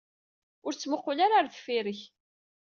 Ur ttmuqqul ara ɣer deffir-k.